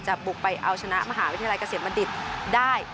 บุกไปเอาชนะมหาวิทยาลัยเกษมบัณฑิตได้